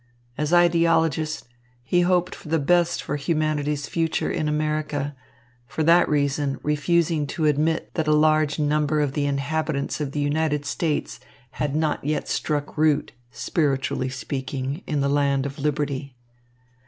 As ideologist, he hoped for the best for humanity's future in America, for that reason refusing to admit that a large number of the inhabitants of the United States had not yet struck root, spiritually speaking, in the land of liberty.